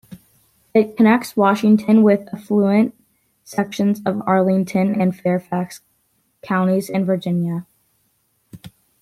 It connects Washington with affluent sections of Arlington and Fairfax counties in Virginia.